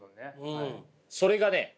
それがね